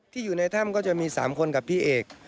อยู่ในถ้ำก็จะมี๓คนกับพี่เอก